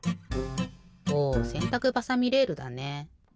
おせんたくばさみレールだね。